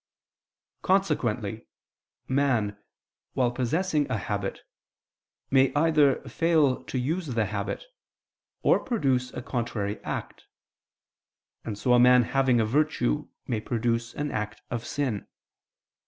Consequently man, while possessing a habit, may either fail to use the habit, or produce a contrary act; and so a man having a virtue may produce an act of sin.